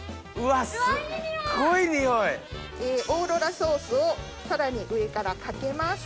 オーロラソースをさらに上からかけます。